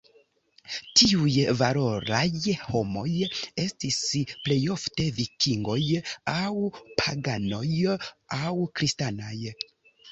Tiuj "valoraj homoj" estis plejofte vikingoj, aŭ paganoj aŭ kristanaj.